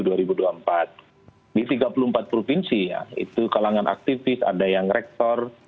di tiga puluh empat provinsi ya itu kalangan aktivis ada yang rektor